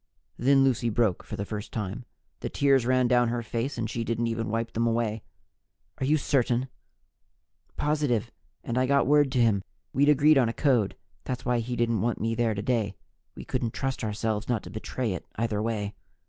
Then Lucy broke for the first time. The tears ran down her face and she didn't even wipe them away. "Are you certain?" "Positive. And I got word to him. We'd agreed on a code. That's why he didn't want me there today we couldn't trust ourselves not to betray it, either way."